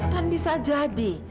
dan bisa jadi